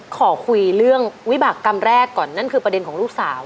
ขอคุยเรื่องวิบากรรมแรกก่อนนั่นคือประเด็นของลูกสาว